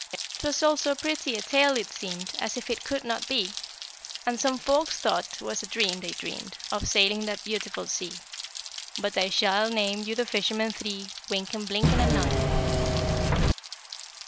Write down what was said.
'Twas all so pretty a tale, it seemed As if it could not be. And some folks thought 'twas a dream they dreamed Of sailing that beautiful sea. But I shall name you the fishermen three, Wynken, Blynken, And Nod.